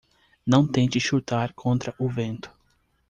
Não tente chutar contra o vento.